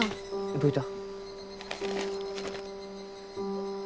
どういた？